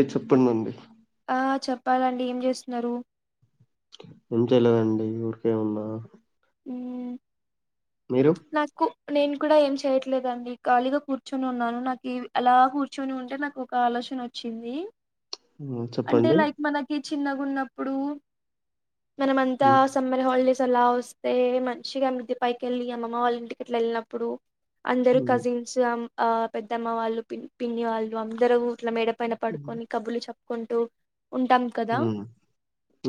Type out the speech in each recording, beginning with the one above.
అే చెప్పడి అండి ఆ చెప్పాలండి ఏం చేస్తున్నారు ఏ చేయలేదండి ఊరికేమున్నా మ్మ్ నాకు నేను కూడా ఏం చేయట్లేదండి ఖాళీగా కూర్చొని ఉన్నాను నాకు అలా కూర్చొని ఉంటే నాకు ఆసన్ వచ్చింది చెప్పండి చిన్నగా ఉన్నప్పుడు మనం అంతా సమ్మర్ హాలిడేస్ లా వస్తే మంచిగా అ మృది పైకిెళ్ళి అమ్మమ్మ వాళ్ళని టికెట్ వెళ్ళినప్పుడు అందరుూ కజిన్స్మ్ పెద్దమ్మ వాళ్ళు పిన్ని వాళ్ళు అందరుూ ఊట్ల మేడ పైన పడుకొని కబులు చెప్పుకుంటూ ఉంటాం కదా మ్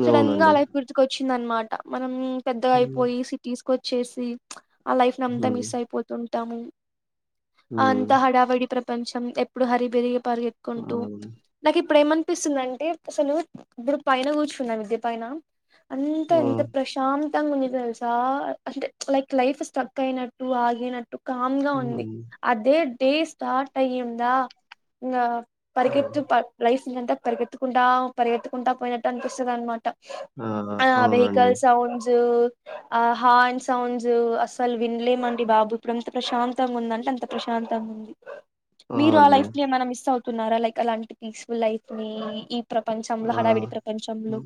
సడన్ గా అవునండి అలాగ గుర్తుక వచ్చింద అనమాట మనం పెద్దగా మ్ అయిపోయి సిటీస్కొచ్చేసి ఆ లైఫ్ నంతా మిస్ అయిపోతుంటాము అంత మ్ హడావడి ప్రపంచం ఎప్పుడు హరిబెరి పార్గ ఎకుంటూ నాకు ఇప్పుడుేమంత చనిపిస్తుంది అంటే అసలు ఇప్పుడు పైన కూర్చుకున్నాాం విద్య పైన అంత ఆ ఎంత ప్రశాంత తంగా గుంచి తెలుసా అంటే లైక్ లైఫ్ స్ట్రక్ అయినట్టు ఆగనట్టు కామ్ గా ఉంది ఉమ్, అదే డే స్టార్ట్ అయ్యిందా పరిగెత్తు ఆ లైఫ్ ని అంతా పరిగెత్తుకుంటా పరిగెత్తుకుంటా పోయినట్టు అనిపిస్తుంది అనమాట ఆ అవునండి వెహికల్ సౌండ్స్ ఆ హా అండ్ సౌండ్స్ అసలు వినలేమండి బాబు ఇప్పుడు ఎంత ప్రశాంతంగా ఉందంటే అంత ప్రశాంత శాంత ఉంది మీరు ఆ లైఫ్ లో ఏమైనా మిస్ అవుతున్నారా లైక్ అలాంటి పీస్ఫుల్ లైఫ్ ని ప్రపంచంలో ఆ హడావిడి ప్రపంచంలో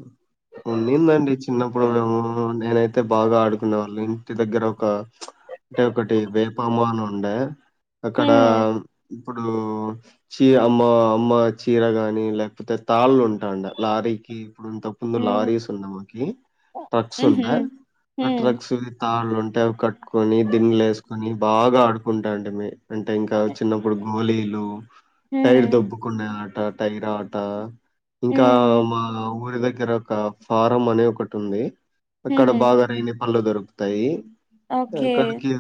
ఉన్నిందండి చిన్నప్పుడు ఏమో నేనైతే బాగా ఆడుకునే వాళ్ళని వ్యతి దగ్గర ఒక అంటే ఒకటి వేపా అమ్మన ఉండే అక్కడ హ్మ్ ఇప్పుడు చీ అమ్మ అమ్మ చీర గాని లేకపోతే తాళ్ళు ఉంటాయి లారీకి ఇప్పుడు తప్పుందు హ్మ్ లారీస్ ఉంది మాకి ట్రక్స్ ఉండ ఊహూ ఆ హ్మ్ ట్రక్స్ తాళ అంటేవి కట్టుకొని దిన్నలు వేసుకొని బాగా ఆడుకుంటాంట మీ అంటే ఇంకా చిన్నప్పుడు గోలీలు టైర్ హ్మ్ దబ్బుకునే ఆట టైర్ ఆట ఇంకా హ్మ్ మా ఊరి దగ్గర ఒక ఫారం అనే ఒకటి ఉంది అక్కడ ఊహూ బాగా రగిలి పళ్ల్ు దొరుకుతాయి ఆ ఓకే కడికి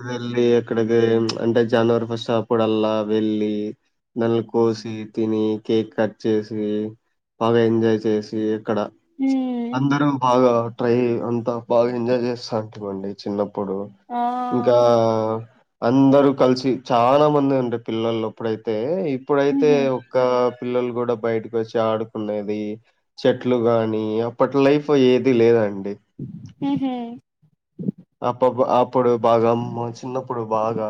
ఇక్కడికి అంటే జావర్ ఫస్ట్ అప్పుడ అల్లా వెళ్ళి దన్నలు కోసి తిని కేక్ కట్ చేసి బాగా ఎంజాయ్ చేసి ఇక్కడ హ్మ్ అందరూ బాగా ట్రై అంతా బాగా ఎంజాయ్ చేస్తాంటివండి చిన్నప్పు ఇప్పుడు ఆ ఇంకా అందరూ కలిసి చాలా మంది ఉండే పిల్లలు అప్పుడైతే ఇప్పుడైతే ఊహూ ఒక పిల్లలు గుడా బయటకొచ్చి ఆడు కునేది చెట్లు గాని అప్పట్ లైఫ్ ఏది లేదం ఊహు అప్పబ్బ అప్పుడు బాగా అమ్మ చిన్నప్పుడు బాగా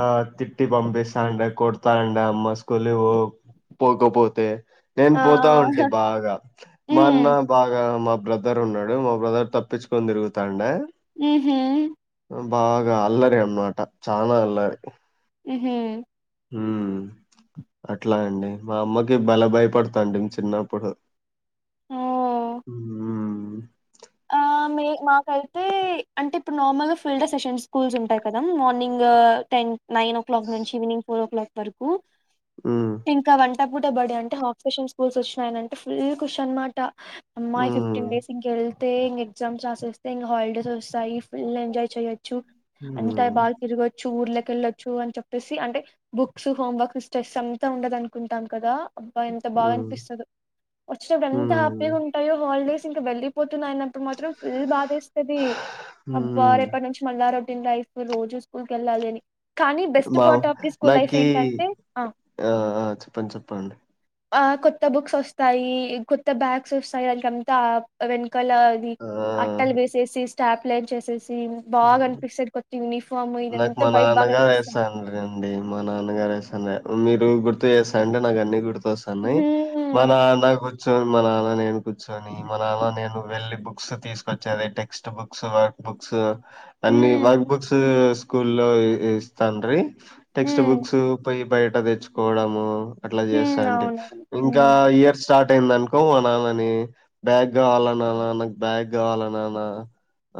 ఆ తిట్టి పంబేసి తాండ కొడతాండ అమ్మ స్కూల్లో కి పోకపోతే నేను ఆ పోతా ఉంటి బాగా మా అన్న హ్మ్ బాగా మబ్ బ్రదర్ ఉన్నాడు మా బ్రదర్ తప్పిచ్చకొని తిరుగుతాండ ఊహు బాగా అల్లరి అన్నమాట చానా అల్లరి ఉహు ఊమ్ అట్లా అండి మా అమ్మకి బలె భయపడతాంటిమి చిన్నప్పుడు ఓ ఊ మీ మాకైతే అంటే ఇప్పుడు నార్మల్ గా ఫీల్డ్ అషెషన్స్ స్కూల్స్ ఉంటాయ్ కదా morning ten nine o'clock నుంచి ఈవినింగ్ ఫోరో క్లాక్ వరకు హ్మ్. ఇంకా వంట పూట బడి అంటే హాక్ఫెషన్ స్కూల్స్ వచ్చినాయనంటే ఫుల్ కుష్ అన్మాట అమ్మా ఇ ఫిఫ్టీన్ హ్మ్. డేస్ ఇంకెల్ ల్తే ఇంగ ఎగ్జామ్స్ రాసేస్తే ఇంగ హాలిడేస్ వస్తాయి ఫుల్ ఎంజాయ్ చేయొ చ్చు అంతా హ్మ్. బాగ తిరగొచ్చు ఊర్లెక్ కెళ్ళొచ్చు అని చెప్పేసి అంటే బుక్స్ హోమ్ వర్క్ స్ట్రెస్ అంతా ఉండదు అనుకుంటాం కదా అబ్బా ఎంత బాగా హ్మ్. అనిపిస్తదో వచ్చినప్పుడు ఎంత హ్మ్. హ్యాపీగా ఉంటాయో హాలిడేస్ ఇంక వెళ్లి [unintelligible] అన్నప్పుడు మాత్రం ఫుల్ బాధేస్తది అబ్బా హ్మ్. రేపటి నుంచి మళ్ళా రొ రొటీన్ లైఫూ రోజు స్కూల్ కెళ్ళాలని కానీ బెస్ట్ మా part of the school life నాకీ ఏంటంటే ఆ ఆ! చెప్పండి. చెప్పండి. ఆ కొత్త బుక్స్ వస్తాయి కొత్త బ్యాగ్స్ వస్తాయి ఆల్కంతా వెన్ కల అది ఆ! అట్టలు వేసేసి స్టాప్ లైన్ చేసేసి తీన్ బాగా హ్మ్. అనిపిస్తది కొత్త యూనిఫామ్ నాకు ఇదంతా మా బైట్ బాగా నాన్నగారు కనిపిస్తది ఏస్తాండ్రండి. మా [unintelligible] మీరు గుర్తు చేస్తంటే నాకు అన్ని గుర్తొస్తాన్నాయ్ మా హ్మ్. నాన్న కూర్చొని మా నాన్న నేను కూర్చొని మా నాన్న నేను వెళ్ళలి బుక్స్ తీసుకొచ్చేది textbook books workbooks అన్ని హ్మ్. వర్క్ బుక్సూ స్కూల్లో ఇస్తాండ్రి టెక్స్ట్ హ్మ్. బుక్సు పోయి బయట దెచ్చుకోవడము అట్లా హ్మ్. చేస్తాంటి అవునవును. హ్మ్. ఇంకా ఇయర్ స్టార్ట్ టైంది అనుకో మా నాన్న ని బ్యాగ్ గావాల నాన్న నాకు బ్యాగ్ గావాల నాన్న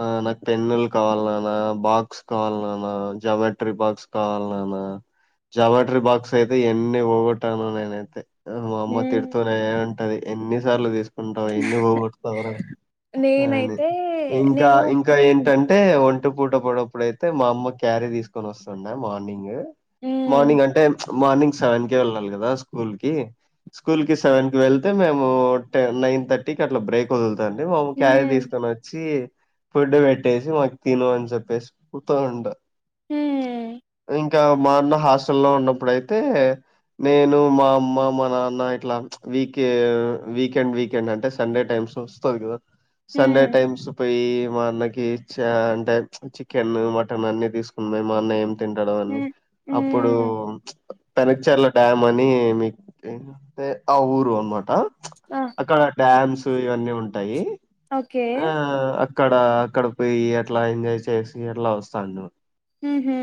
ఆ నాక్ పెన్నుల్ కావాల నాన్న బాక్స్ కావాల నాన్న జామెట్రీ బాక్స్ కావాల నాన్న జామెట్రీ బాక్స్ అయితే ఎన్ని పోగొట్టానో నేనైతే మా అమ్మ హ్మ్. తిడుతనే అంటది ఎన్నిసార్లు దీస్ టావ్ ఎన్ని పోగొడ్ తావరా అని నేనైతే ఇంకా నేను ఇంకా హ్మ్. ఏంటం అయితే ఒంట పూట బడప్పుడుయితే మా అమ్మ క్యారీ తీసుకొని వస్తుండ మార్నింగు హ్మ్. మార్నింగ్ అంటే మార్నింగ్ సెవెన్ కె వెళ్ళాలి కదా స్కూల్ కి స్కూల్ కి సెవెన్ కి వెళ్తే మేము టెన్ నైన్ థర్టీకి అట్లా బ్రేక్ వొదుల్ [unintelligible] మా అమ్మ క్యారీ హ్మ్. దీసుకొనొచ్చి ఫుడ్డు పెట్టేస్ సి మాకి తిను అని చెప్పేసి కూర్చోనుండు హూ ఇంకా మా అన్న హాస్టల్ లో ఉన్నప్పుడైతే నేను మా అమ్మ మా నాన్న ఇట్లా వీకె వీకెండ్ వీకెండ్ అంటే సండే టైమ్ చూసి వస్తాది గదా సండే హ్మ్. టైమ్స్ పోయ్యి మా అన్నకి ‌ష అంటే చికెను మటను అన్ని తీసుకున్నేది మా అన్న ఏం దింటడో అని హ్మ్. అప్పుడు హ్మ్. పెనక్చర్ల డ్యామ్ మనీ మీ కైతే ఆ ఊరు అన్ మాట ఆ! అక్కడ డ్యామ్స్ ఇవన్నీ ఉంటాయి ఓకే. ఆ అక్కడ అక్కడ పోయి ఎట్లా ఎంజాయ్ చేసి ఎట్లా వస్తాను ఊ హు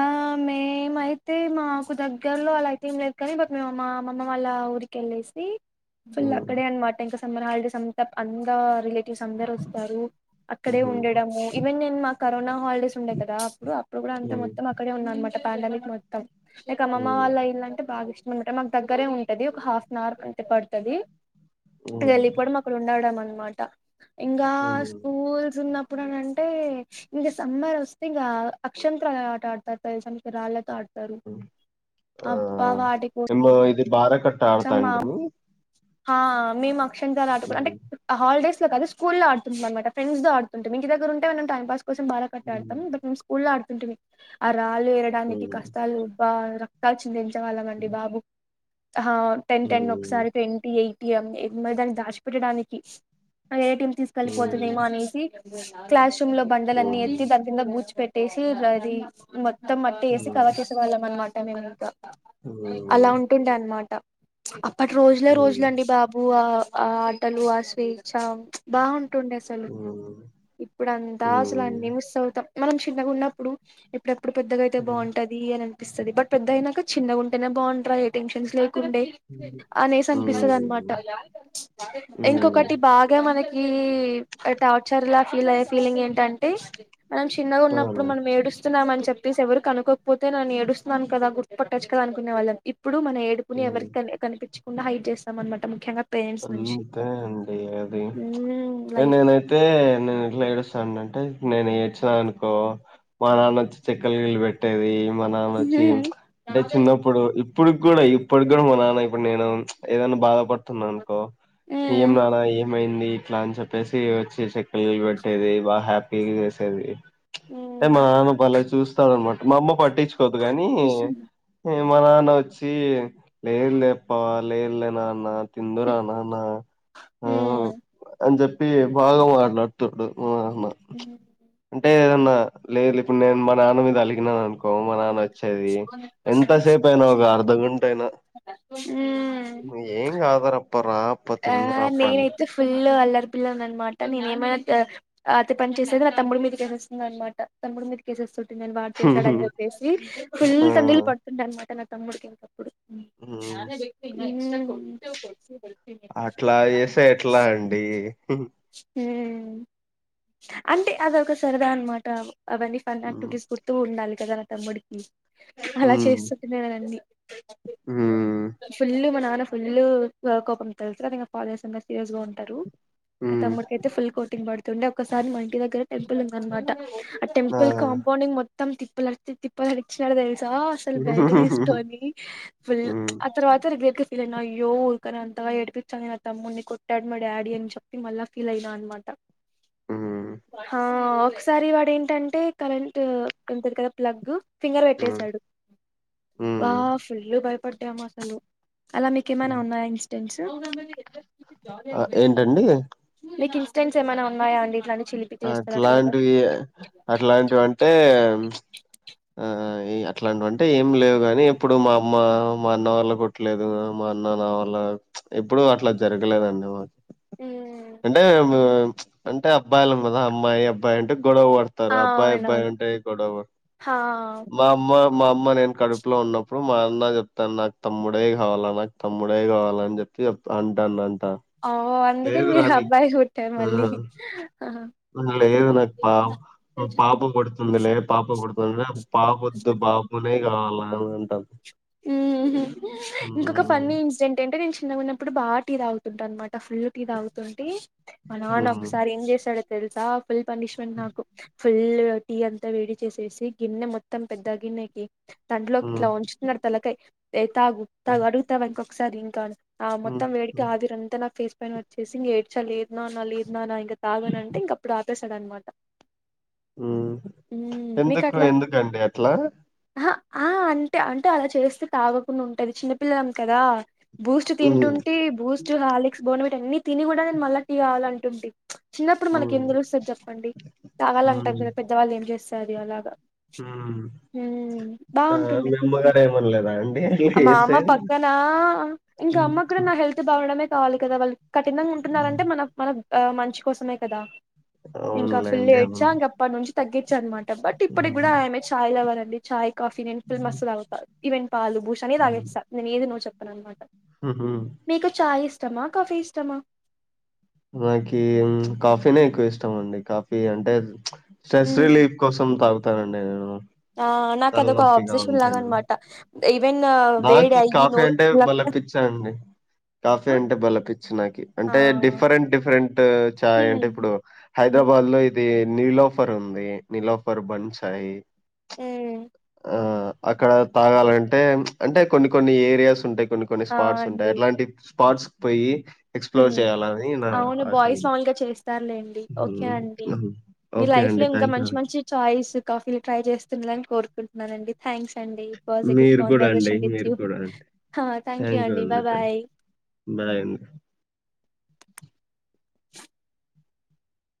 ఆ మే మైతే మా మాకు దగ్గరలో అలా అయితే ఏం లేదు కానీ బట్ మేమ మా అమ్మ వాళ్ళ ఊరికెళ్ళేసి ఫుల్ హ్మ్. అక్కడే అనమాట ఇంకా సమ్మర్ హాలిడేస్ అంతా అందా రిలేటివ్స్ అందరు వస్తారు అక్కడే హుహు. ఉండడము ఈవెన్ నేను మా కరోనా హాలిడేస్ ఉండే కదా అప్పుడు ఇప్పుడు కూడా అంతే ఉమ్, మొత్తం అక్కడే ఉన్నా అనమాట పాండమిక్ మొత్తం నైకు అమ్మ ఉమ్, వాళ్ళ ఇల్ళ అంటే బాగా ఇ ష్ మాకు దగ్గరే ఉంటది ఒక హాఫ్ అన్ అవర్ అంటే పడుతుది ఉమ్, వెళ్ళిపోవడం అక్కడ ఉండడం అ అనమాట ఇంకా ఉమ్, స్కూల్స్ ఉన్నప్పుడు అని అంటే ఇంకా సమ్మర్ వస్తే ఇంకా అక్షంత్రల ఆట ఆడతారు సమ రాళ్ళతో ఆడ్ ఆ వాటి మేము ఇది భార కట్ట కోసం మా ఆడతాడినము మేము అక్షంత్రాల ఆటకూడా అంటే హాలిడేస్ అది స్కూల్లో ఆడుతుటిమి అనమాట ఫెండ్స్ ఆడుతుంటిమీఇంటి దగ్గర ఉంటే మన టైం పాస్ కోసం బారా కట్టా ఆడతాం బ మేము స్కూల్ లో ఆడుతుంటిమి ఆరాళ్లే ఎరడానికి కష్టాలు ఉబ్బ ర వచించేవాళ్లమండి బాబు ఆ టెన్ టెన్ ఒకసారి ట్వంటీ ఎయిటీ అ మరి దాచిపట్టడానికి ఏ టి ఎమ్ తీసుకెళ్లిపోతుందేమో అనేసి క్లాస్ రూమ్ లో బండలన్నీ ఎత్తి దాని కింద బూచిపెట్ ట్టేసి అది మొత్తం మట్టి ఎసి కవర్ చెసే వాళ్ళం అన్నమాట మేము ఇంకా అలా ఉంటుండే అన్న మాట అప్పటి రోజులే రోజులండి బాబు ఆ ఆటలు ఆ స్వె చ బాగుంటుండే అసలు ఇప్పుడు అంతా అసలు అన్ని మిస్ అవుతాం మనం చిన్నగా ఉన్నప్పుడు ఎప్పుడెప్పుడు పెద్దగా అయితే బాగుంటది అని అపిస్తుంది బట్ పెద్ద అయినాక చిన్నగా ఉంటేనే బాగుంటారా ఏ టెన్షన్స్ లే ండే అనేసి అనిపిస్తుంది అనమాట ఇంకొకటి బాగా మనకి ఈ టార్చర్ లా ఫీల్ అయ్యే ఫీలింగ్ ఏంటంటే మనం చిన్నగా ఉన్నప్పుడు మనం ఏడుస్ స్తున్నాం అని చెప్పేసి ఎవరిరు కనుకోకపోతే నేను ఏడుస్తున్నాను కదా గుతుపట్టచ్చ కదా అనుకునే వాళ్ళం ఇప్పుడు మన ఏడుపుని ఎవరికి కనిపించకుండా హైట్ చేస్తాం అన్న మాట ముఖ్యంగా పేరెంట్స్ నుంచి అంతే అండి అది మ్మ్ లైఫ్ నేనైతే నేను ఇట్లా ఏడుస్తాను అంటే నేను ఏడ్చినా అనుకో మా నాన్న వచ్చి చెక్కల గీళ్ళ పెట్టేది మా నాన్న అచ్చి మ్మ్ అంటే చిన్నప్పుడు ఇప్పుడు కూడా ఇప్పుడు కూడా మా నాన్న ఇప్పుడు నేను ఏదనా బాధపడుతున్నా అనుకో ఏం నాన్నా ఏం మైంది ఇట్లా అని చెప్పేసి వచ్చి చెక్కల పెట్టేది బాగా హ్యాపీ చేసేది అంటే మ్మ్ మా నాన్న బలే చూస్తాడు అన్నమాట మా అమ్మ పట్టించుకోదు కానీ మా నాన్న వచ్చి లేరు లేప్ప లేరు లే నాన్న తిందురా నాన్న ఆ మ్ అని చెప్పి భాగా మాట్లాడుతుండు మ్ నా లేదు ఇప్పుడు నేను మా నాన్న మీద అలిగినాను అనుకొ కో మా నాన్న వచ్చేది ఎంతసేపు అయినా ఒక అర్ధగంట అయినా మ్మ్ ఏంగ్ ఆధారం ఆ నేనైతే ఫుల్ లొ అల్లరిపిల్ల అన్నమాట నేను ఏమైనా అతి పని చేసేది నా తమ్ముడు మీద చెస్తుంది అన్న మాట మీ కేసుస్తు నేను వాడు చేశాడ అని చెప్పేసి ఫుల్ ఆ త నీళ్ళు పడుతుండే అన్నమాట నా తమ్ముడికి ఇంకప్పుడు మ్ అట్లా చేసే ఎట్లా అండి మ్ అంటే అదొక సరదా అన్నమాట అవన్నీ మ్ ఫన్టుగస్ట్ గుర్తు ఉండాలి కదా తమ్ముడికి అలా మ్ చేస్తుంటన్నానండి మ్ ఫుల్ మన ఫుల్ కోపం తెలుసుంకా ఫాదర్స్ అ సీరియస్ గా ఉంటారు ఆ తమ్ముడికి అయితే ఫుల్ కోటింగ్ పడుతుండే ఒకసారి మా ఇంటి దగ్గర టెంపుల్ ఉంద అనమాట ఆ టెంపుల్ కాంపౌంగ్ మొత్తం తిప్పలులరి తిప్పులులరిచినడు అసలు బెల్టు మ్ తీసుకొని ఫుల్ మ్ ఆ తర్వాత అయ్యో ఊరికనే అంతావా ఆ తమ్ముడిని కొట్టాడు మా డాడీ అని చెప్పి మళ్ళా ఫీల్ అయినా అనమాట మ్ హా ఒకసారి వాడ ఏంటంటే కరెంట్ ఎంటది కదా ప్లగ్ ఫింగర్ పెట్టేశాడు వా ఫుల్లు భయపడ్డాము అసలు అలా మీకు ఏమైనా మ్ ఉన్నాయా ఇన్సిడెంట్స్ ఆ ఏంటండి ఇన్సూడేన్స్ ఏమనా ఉన్నాయా అడీ అట్లాంటివి అట్లాంటివి అంటే ఆ అట్లాంటి అంటే ఏం లేవు గాని ఎప్పుడు మా అమ్మ మా అన్న వాళ్ళ కొట్టలేదు మా అన్న నావల్ల ఎప్పుడు అట్లా జరగలేదండి మా ఆ అంటే అంటే బాల మీద అమ్మాయి అబ్బాయి అంటే గొడవ పడతారు అబ్బాయి అబ్బాయి అవునవును ఉంటే గొడవ పడతారు హా మా అమ్మ మా అమ్మ నేను కడుపులో ఉన్నప్పుడు మా అన్న చెప్తాను నాకు తమ్ముడే కావాలా నాకు తమ్ముడే కావాలని చెప్పుతాడంట ఓ అందుకే మీరు అబ్బాయి కుట్టారు మళ్ళీ ఆ లేదు నాకు పా పాప కొడుతుందిలే పాప కొడుతుంది నా పాప వద్దు బాబునే నావల్ల కాదు అంటుంది ఇంకొక ఫన్నీ ఇన్సిడెంట్ ఏంటే నేను చిన్నగాన్నప్పుడు బా టీ తగుతుంటా అనమాట అ ఫుల్ గా తాగుతుంటే నాన్న ఉమ్, ఒకసారి ఏం చేసాడో తెలుసా ఫుల్ పనిష్మెంట్ నాకు ఫుల్ టీ అంతా వేడి చేసేసి గిన్నె మొత్తం పెద్ద గిన్నెకి కంట్లోకి ఉమ్, ఎట్లా వంచుతున్నాడు తలకాయ తాగు తాగు అడుగుతావా ఇంకొకసారి ఇంకా ఆ ఉమ్, మొత్తం వేడికి ఆవిరు అంతా నా ఫేస్ పైన వచ్చేసి ఇంక ఏడ్చా లేదు నాన్న లేదు నాన్న ఇంకా తాగనంటే ఇంక అప్పుడు ఆపేశాడు అనమాట ఎందుకు అట్లా ఎందుకండి అట్లా అహా ఆ అంటే అంటే అలా చేస్తే తాగకుండా ఉంటది చిన్నపిల్లలం కదా బూస్ట్ ఉమ్, తింటుంటే బూస్ట్ హార్లిక్స్ బోనబట్ అన్ని తిని కూడా నేను మళ్ళా టీ కావాలంటుంటంటి చిన్నప్పుడు మనకి ఉమ్, ఏం తెలుస్తుంది చెప్పండి కావాల ఉమ్, అంటారు కదా పెద్దవాళ్ళు ఏం చేస్తారు అలాగా హ్మ్ ఆ మమ్మగారు ఏమనలేదా అండి మామ్మ వేసే పక్కన ఇంకా ఉమ్, అమ్మ కూడా ఉమ్, నా హెల్త్ బాగుడమే కావాలి కదా వాళ్ళు కఠినంగా ఉమ్. ఉంటున్నారంటే మన మన ఆ మంచి కోసమే కదా ఇంకా ఫుల్ అవునులేండి అవును ఏడ్చా ఇంక అప్పటి నుంచి తగ్గిచ్చ అనమాట బట్ ఇప్పటికి ఉమ్, కూడా ఆమె ఛాయ్ లవర్ అండి ఛాయ్ కాఫీ నేను ఫుల్ మస్త్ తాగుతా ఈవెన్ పాలు బూస్ట్ అన్నీ ఉమ్, తాగేస్తా నేను ఏది నో చెప్పను అనమాట ఉమ్. మీకు ఛాయ్ మీకు చాయి ఇష్టమా అక్క ఇష్టం కాఫీ నాకి కాఫీనే ఎక్కువ ఇష్టం అండి కాఫీ అంటే స్ట్రెస్ మ్మ్ రిలీఫ్ కోసం తాగుతానండి నేను ఆ నాకు అదొక తలనొప్పిగా ఆబ్సెషన్ లాగా ఉంటాను. అనమాట ఈవెన్ వేడి నాకి అయ్యి కాఫీ నోరు అంటే బలే పుల్లకుండా పిచ్చ అండి కాఫీ అంటే బలే పిచ్చ నాకి ఆ అంటే డిఫరెంట్ డిఫరెంట్ చాయ్ అంటే హ్మ్, ఇప్పుడు హైదరాబాద్ హ్మ్, వాళ్ళు ఇది నిలోఫర్ ఉంది నిలోఫర్ బన్ను చాయి ఊ ఆ అక్కడ తాగాలంటే అంటే కొన్ని కొన్ని ఏరియాస్ ఉంటాయి కొన్ని కొన్ని ఆ స్పాట్స్ ఉంటాయి అట్లాంటి స్పాట్స్ కి పోయి ఎక్స్‌ప్లోర్ మ్మ్ చేయాలని నా అవును ఆశ బాయ్స్ అండి. స్ట్రాంగ్ గా చేస్తారు లేండి ఓకే హ్మ్. అండి హ్మ్. ఓకే ఫ్లిఫ్ లో అండి. ఇంకా థాంక్ యూ మంచి అండి. మంచి ఛాయిస్ కాఫీలు ట్రై చేస్తుండలని కోరుకుంటున్నానండి థాంక్స్ అండి గుడ్ మీరు కూడా అండి. కన్వెర్జెషన్ విత్ మీరు యు కూడా అండి. హా థాంక్ యు అండి బాయ్ బాయ్ బాయ్ అండి [inaudible]